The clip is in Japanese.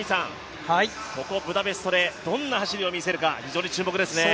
ここブダペストでどんな走りを見せるか、非常に注目ですね。